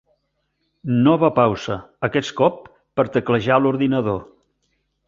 Nova pausa, aquest cop per teclejar a l'ordinador.